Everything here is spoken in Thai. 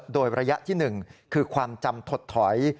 โดยระยะที่๑คือความจำถดถอย